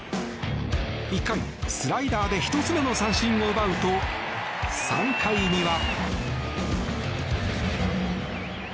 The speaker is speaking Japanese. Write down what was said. １回、スライダーで１つ目の三振を奪うと３回には。